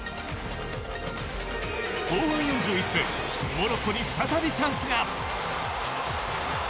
後半４１分モロッコに再びチャンスが。